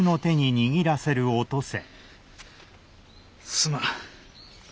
すまん。